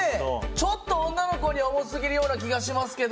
ちょっと女の子には重すぎるような気がしますけど。